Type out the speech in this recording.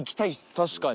確かに。